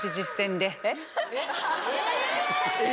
え？